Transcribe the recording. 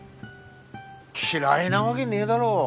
嫌いなわげねえだろ。